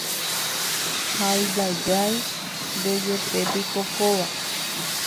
Haijajái ndéjepepiko kóva